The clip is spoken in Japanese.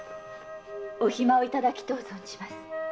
お暇をいただきとう存じます。